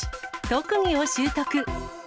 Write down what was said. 特技を習得。